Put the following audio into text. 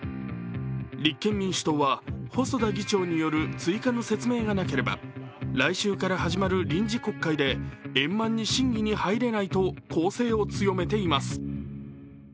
立憲民主党は細田議長による追加の説明がなければ来週から始まる臨時国会で円満に審議に入れないと攻勢を強めています。